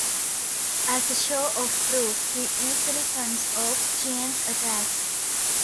As a show of 'proof', he easily fends off Chien's attacks.